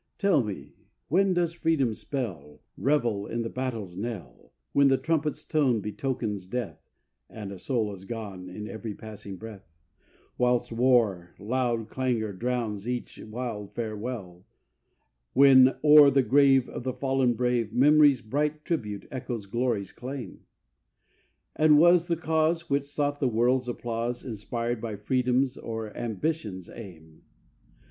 Tell me, then, does Freedom's spell Revel in the battle's knell, When the trumpet's tone Betokens death, And a soul is gone In every passing breath, Whilst war's loud clangour drowns each wild farewell, When o'er the grave of the fallen brave Memory's bright tribute echoes Glory's claim? And was the cause, which sought the world's applause, Inspired by Freedom's or Ambition's aim?